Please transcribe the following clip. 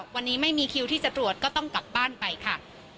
วันนี้ไม่มีคิวที่จะตรวจก็ต้องกลับบ้านไปค่ะ